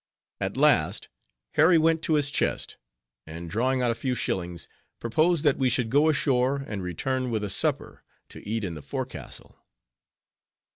At last, Harry went to his chest, and drawing out a few shillings, proposed that we should go ashore, and return with a supper, to eat in the forecastle.